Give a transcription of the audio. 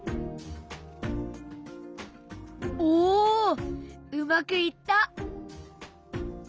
おうまくいった。